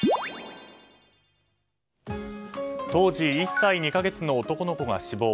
当時１歳２か月の男の子が死亡。